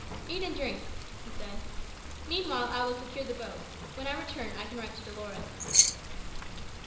"Eat and drink," he said. "Meanwhile I will secure the boat. When I return, I can write to Dolores."